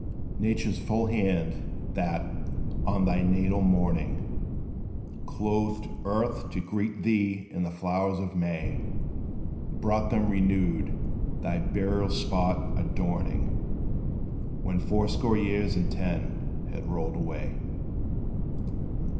Nature's full hand, that, on thy natal morning, Clothed earth to greet thee in the flowers of May, Brought them renewed; thy burial spot adorning, When fourscore years and ten had rolled away.